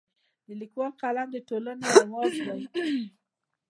د لیکوال قلم د ټولنې اواز دی.